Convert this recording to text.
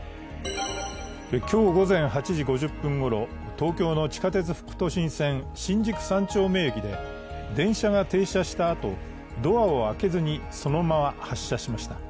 今日午前８時５０分ごろ、東京の地下鉄副都心線・新宿三丁目駅で電車が停車したあとドアを開けずに、そのまま発車しました。